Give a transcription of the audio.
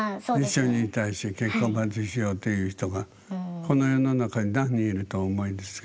一緒にいたいし結婚までしようっていう人がこの世の中に何人いるとお思いですか？